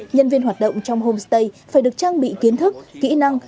nhân viên hoạt động trong homestay phải được trang bị kiến thức kỹ năng